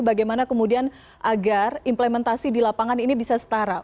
bagaimana kemudian agar implementasi di lapangan ini bisa setara